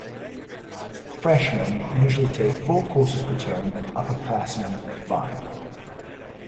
Freshmen usually take four courses per term and upperclassmen five.